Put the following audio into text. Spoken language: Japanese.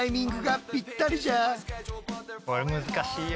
これ難しいよ。